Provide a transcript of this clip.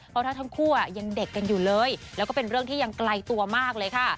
เพราะถ้าทั้งคู่ยังเด็กกันอยู่เลยแล้วก็เป็นเรื่องที่ยังไกลตัวมากเลยค่ะ